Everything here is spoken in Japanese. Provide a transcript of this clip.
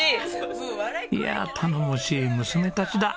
いや頼もしい娘たちだ。